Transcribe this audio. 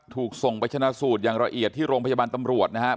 ถูกส่งไปชนะสูตรอย่างละเอียดที่โรงพยาบาลตำรวจนะครับ